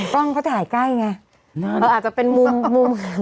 กล้องเขาถ่ายใกล้ไงเขาอาจจะเป็นมุม